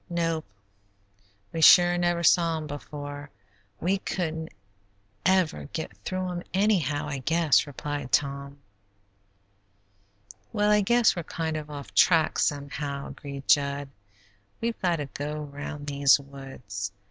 "Nope, we sure never saw 'em before. We couldn't ever get through 'em, anyhow, I guess," replied Tom. "Well, I guess we're kind of off the track, somehow," agreed Jud. "We've got to go round these woods.